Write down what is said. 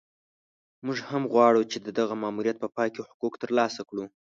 موږ هم غواړو چې د دغه ماموریت په پای کې حقوق ترلاسه کړو.